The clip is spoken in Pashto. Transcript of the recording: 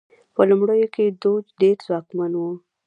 په لومړیو کې دوج ډېر ځواکمن و.